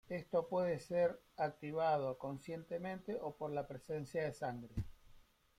Esto puede ser activado conscientemente o por la presencia de sangre.